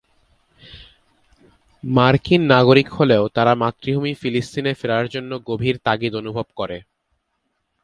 মার্কিন নাগরিক হলেও তারা মাতৃভূমি ফিলিস্তিনে ফেরার জন্য গভীর তাগিদ অনুভব করে।